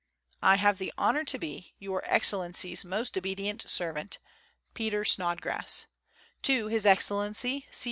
I have the honour to be, Your Excellency's most obedient servant, PETER SNODGRASS, To His Excellency C.